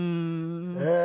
ええ。